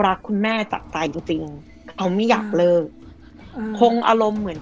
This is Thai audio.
รักคุณแม่จากใจจริงจริงเขาไม่อยากเลิกคงอารมณ์เหมือน